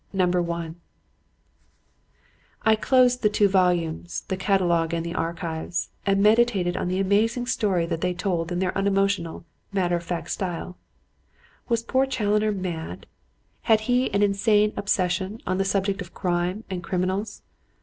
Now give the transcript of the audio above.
Number 1." I closed the two volumes the Catalogue and the Archives and meditated on the amazing story that they told in their unemotional, matter of fact style. Was poor Challoner mad? Had he an insane obsession on the subject of crime and criminals?